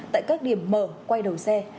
tại các điểm mở quay đầu xe